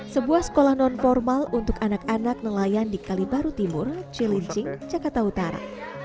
sebuah sekolah non formal untuk anak anak nelayan di kalibaru timur cilincing jakarta utara